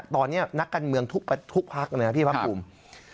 ตอนนี้นักการเมืองทุกพักนะครับพี่พักภูมิ